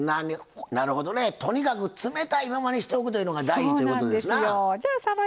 なるほどねとにかく冷たいままにしておくというのが大事ということですな。